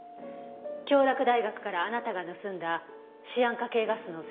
京洛大学からあなたが盗んだシアン化系ガスの製法は。